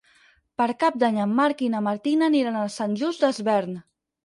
Per Cap d'Any en Marc i na Martina aniran a Sant Just Desvern.